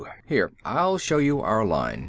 Here, I'll show you our line."